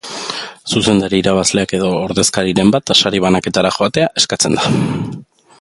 Zuzendari irabazleak edo ordezkariren bat sari banaketara joatea eskatzen da.